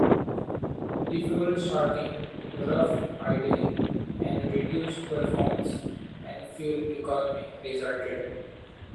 Difficult starting, rough idling, and reduced performance and fuel economy resulted.